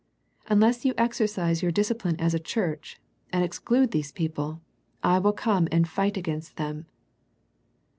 Unless you exercise your discipline as a church, and ex clude these people, I will come and fight against them.